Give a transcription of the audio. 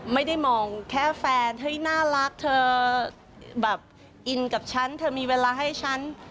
ไม่ได้มองแค่แฟนเฮ้ยน่ารักเธอแบบอินกับฉันเธอมีเวลาให้ฉัน